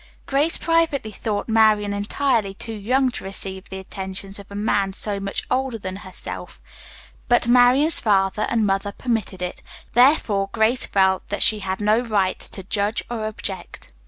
Grace privately thought Marian entirely too young to receive the attentions of a man so much older than herself, but Marian's father and mother permitted it, therefore Grace felt that she had no right to judge or object.